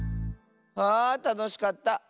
あたのしかった。